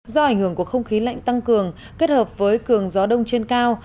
do ảnh hưởng của không khí lạnh tăng cường kết hợp với cường gió đông trên cao